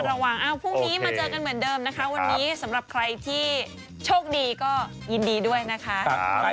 ระหว่างพรุ่งนี้มาเจอกันเหมือนเดิมนะคะวันนี้สำหรับใครที่โชคดีก็ยินดีด้วยนะคะ